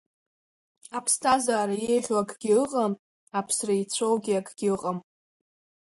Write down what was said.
Аԥсҭазаара еиӷьу акгьы ыҟам, аԥсра еицәоугьы акгьы ыҟам.